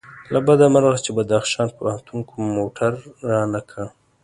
له بده مرغه چې بدخشان پوهنتون کوم موټر رانه کړ.